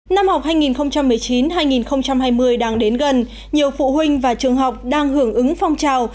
năm học hai nghìn một mươi chín hai nghìn hai mươi đang đến gần nhiều phụ huynh và trường học đang hưởng ứng phong trào